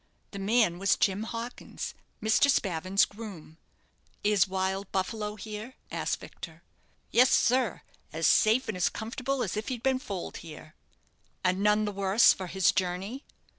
The man was Jim Hawkins, Mr. Spavin's groom. "Is 'Wild Buffalo' here?" asked Victor. "Yes, sir; as safe and as comfortable as if he'd been foaled here." "And none the worse for his journey?"